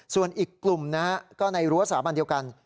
ส่วนอีกกลุ่มนะฮะก็ในรั้วสถาบันเดียวกัน